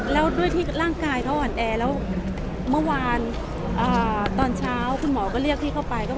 แล้วด้วยที่ร่างกายเขาอ่อนแอแล้วเมื่อวานตอนเช้าคุณหมอก็เรียกพี่เข้าไป